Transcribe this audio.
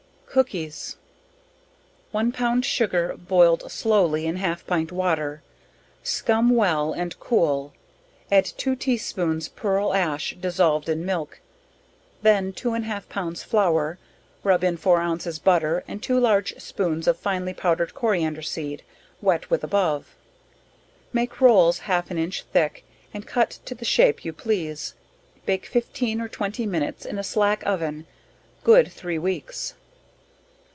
Cookies. One pound sugar boiled slowly in half pint water, scum well and cool, add two tea spoons pearl ash dissolved in milk, then two and half pounds flour, rub in 4 ounces butter, and two large spoons of finely powdered coriander seed, wet with above; make roles half an inch thick and cut to the shape you please; bake fifteen or twenty minutes in a slack oven good three weeks.